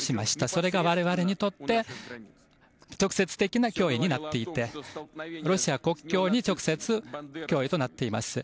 それが我々にとって直接的な脅威になっていてロシア国境に直接脅威となっています。